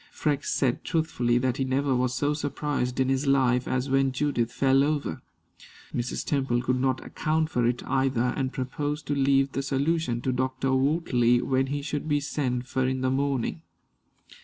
Freke said truthfully that he never was so surprised in his life as when Judith fell over. Mrs. Temple could not account for it either, and proposed to leave the solution to Dr. Wortley when he should be sent for in the morning.